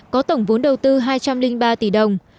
có tổng vốn đầu tư hai trăm linh ba tỷ đồng